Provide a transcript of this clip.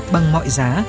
bằng mọi giá